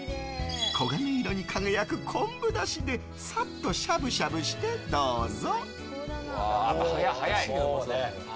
黄金色に輝く昆布だしでサッとしゃぶしゃぶしてどうぞ！